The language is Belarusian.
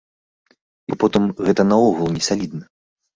І потым, гэта наогул не салідна.